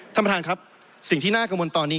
ท่านประธานครับสิ่งที่น่ากังวลตอนนี้